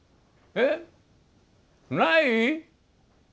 えっない？